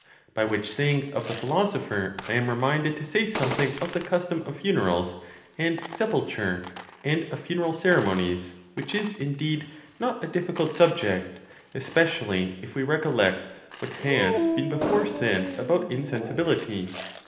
By which saying of the philoso pher I am reminded to say something of the custom of funerals and sepulture, and of funeral ceremonies, which is, indeed, not a difficult subject, especially if we recollect what has been before said about insensibility.